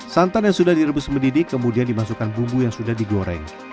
santan yang sudah direbus mendidih kemudian dimasukkan bumbu yang sudah digoreng